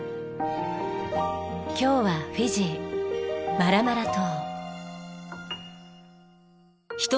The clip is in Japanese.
今日はフィジーマラマラ島。